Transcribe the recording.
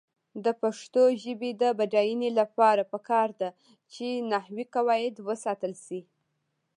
د پښتو ژبې د بډاینې لپاره پکار ده چې نحوي قواعد وساتل شي.